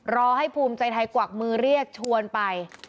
ให้ภูมิใจไทยกวักมือเรียกชวนไป